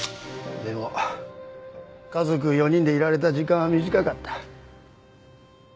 でも家族４人でいられた時間は短かった。